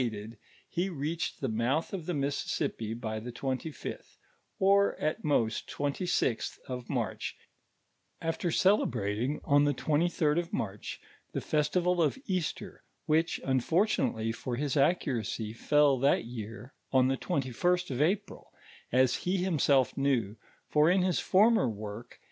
ded, he reoehcd the mouth of the Mississippi by the twenth fifth, or at most, twenty sixth of March, after cele brating, on the 23d of March, the festival of Faster which, unfortunately for his nceuracy, fell that year on the 21st of April, as he himself knew, for in liis former work (p.